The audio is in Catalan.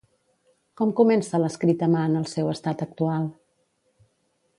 Com comença l'escrit a mà en el seu estat actual?